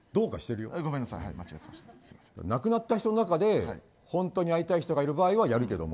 亡くなった人の中で本当に会いたい人がいる場合はやるけれども。